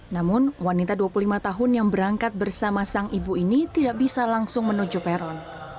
namun wanita dua puluh lima tahun yang berangkat bersama sang ibu ini tidak bisa langsung menuju peron